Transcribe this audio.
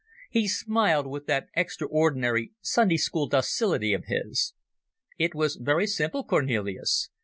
He smiled with that extraordinary Sunday school docility of his. "It was very simple, Cornelis.